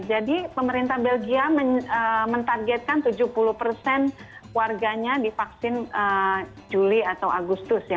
jadi pemerintah belgia mentargetkan tujuh puluh warganya di vaksin juli atau agustus ya